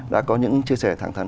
đã có những chia sẻ thẳng thắn